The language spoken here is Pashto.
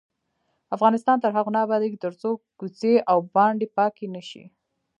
افغانستان تر هغو نه ابادیږي، ترڅو کوڅې او بانډې پاکې نشي.